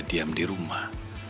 diam di rumah